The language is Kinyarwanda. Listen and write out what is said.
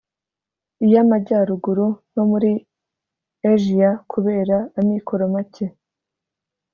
iy’Amajyaruguru no muri Asia kubera amikoro make